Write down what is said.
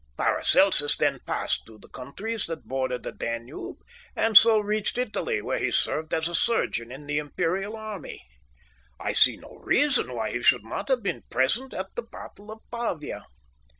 Paracelsus then passed through the countries that border the Danube, and so reached Italy, where he served as a surgeon in the imperial army. I see no reason why he should not have been present at the battle of Pavia.